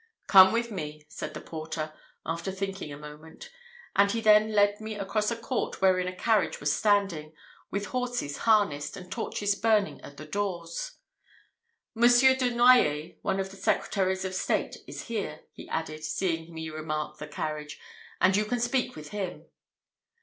"Come with me," said the porter, after thinking a moment; and he then led me across a court wherein a carriage was standing, with horses harnessed, and torches burning at the doors. "Monsieur de Noyers, one of the secretaries of state, is here," he added, seeing me remark the carriage, "and you can speak with him."